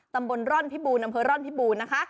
ตำบลร่อนพิบูรณอำเภอร่อนพิบูรณนะคะ